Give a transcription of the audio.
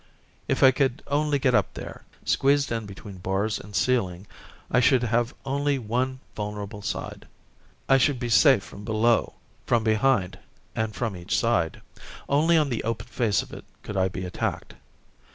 If I could only get up there, squeezed in between bars and ceiling, I should have only one vulnerable side. I should be safe from below, from behind, and from each side. Only on the open face of it could I be attacked.